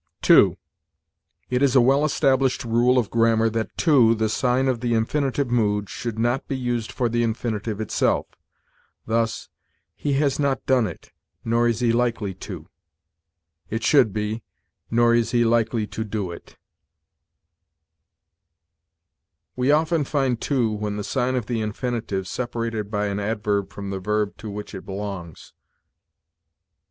TO. It is a well established rule of grammar that to, the sign of the infinitive mood, should not be used for the infinitive itself: thus, "He has not done it, nor is he likely to." It should be, "nor is he likely to do it." We often find to, when the sign of the infinitive, separated by an adverb from the verb to which it belongs.